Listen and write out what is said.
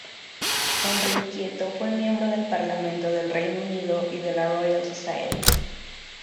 Hombre inquieto, fue miembro del Parlamento del Reino Unido y de la Royal Society.